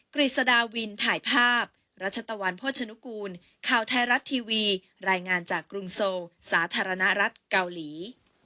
กฤษดาวินถ่ายภาพรัชตะวันโภชนุกูลข่าวไทยรัฐทีวีรายงานจากกรุงโซสาธารณรัฐเกาหลี